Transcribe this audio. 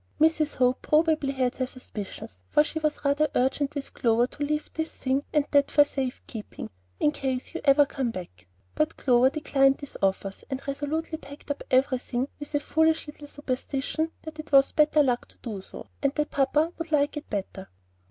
Mrs. Hope probably had her suspicions, for she was rather urgent with Clover to leave this thing and that for safe keeping "in case you ever come back;" but Clover declined these offers, and resolutely packed up everything with a foolish little superstition that it was "better luck" to do so, and that papa would like it better.